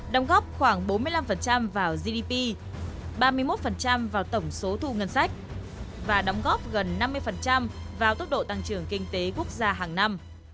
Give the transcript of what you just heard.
đồng góp khoảng bốn mươi năm vào gdp ba mươi một vào tổng số thu ngân sách và đóng góp gần năm mươi vào tốc độ tăng trưởng kinh tế quốc gia hàng năm